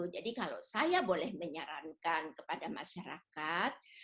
jadi kalau saya boleh menyarankan kepada masyarakat